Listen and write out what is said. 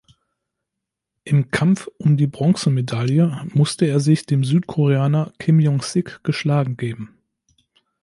Im Kampf um die Bronzemedaille musste er sich dem Südkoreaner Kim Jong-sik geschlagen geben.